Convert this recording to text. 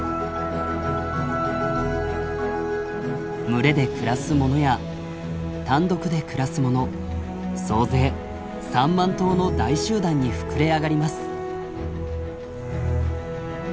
群れで暮らすものや単独で暮らすもの総勢３万頭の大集団に膨れ上がります。